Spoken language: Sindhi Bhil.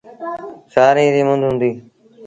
سآريٚݩ ريٚ مند هُݩديٚ۔